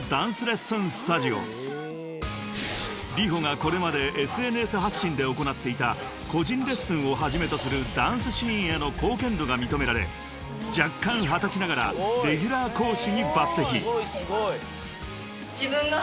［ＲｉｈｏがこれまでＳＮＳ発信で行っていた個人レッスンを始めとするダンスシーンへの貢献度が認められ若干二十歳ながらレギュラー講師に抜てき］